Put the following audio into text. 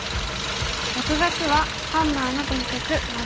６月は「ハンマーのトリセツ③」。